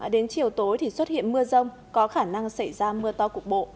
đến chiều tối thì xuất hiện mưa rông có khả năng xảy ra mưa to cục bộ